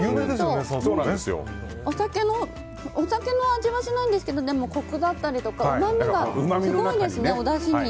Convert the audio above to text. お酒の味はしないんですけどコクだったりとかうまみがすごいですね、おだしに。